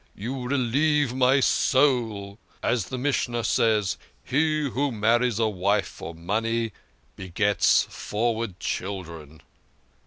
" You relieve my soul. As the Mishnah says, ' He who marries a wife for money begets froward children.'